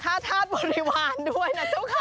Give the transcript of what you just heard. ค่อค่าชาตุบริหวานด้วยนะเจ้าคะ